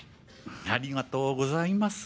ありがとうございます。